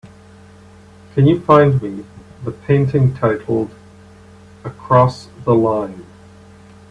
Can you find me the painting titled Across the Line?